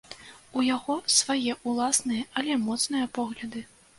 У яго свае ўласныя, але моцныя погляды.